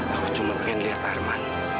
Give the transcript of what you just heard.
aku cuma pengen lihat herman